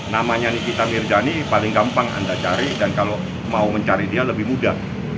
namanya nikita mirjani paling gampang anda cari dan kalau mau mencari dia lebih mudah